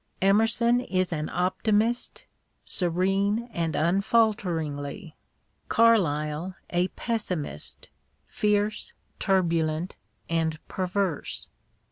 Emerson is an optimist, serene and unfaltering ; Carlyle a pessimist, fierce, turbulent, and perverse.